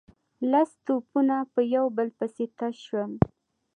لس توپونه په يو بل پسې تش شول.